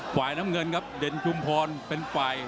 ฝ่ายน้ำเงินครับเด่นชุมพรเป็นฝ่าย